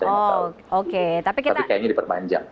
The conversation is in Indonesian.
oh oke tapi kayaknya diperpanjang